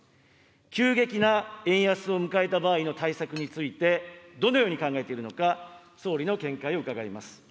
急激な円安を迎えた場合の対策について、どのように考えているのか、総理の見解を伺います。